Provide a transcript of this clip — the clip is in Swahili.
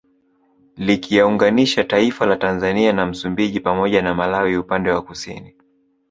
Likiyaunganisha taifa la Tanzania na Msumbiji pamoja na Malawi upande wa Kusini